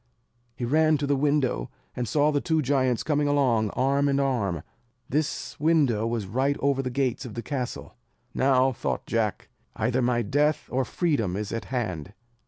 He ran to the window, and saw the two giants coming along arm in arm. This window was right over the gates of the castle. "Now," thought Jack, "either my death or freedom is at hand."